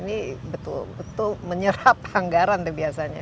jadi betul betul menyerap anggaran biasanya